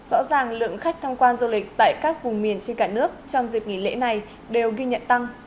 rõ ràng lượng khách tham quan du lịch tại các vùng miền trên cả nước trong dịp nghỉ lễ này đều ghi nhận tăng